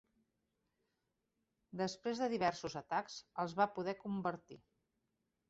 Després de diversos atacs els va poder convertir.